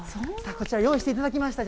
こちら用意していただきました。